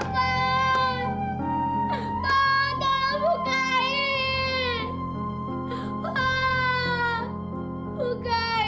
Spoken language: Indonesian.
jangan pak papa